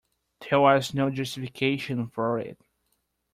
There was no justification for it.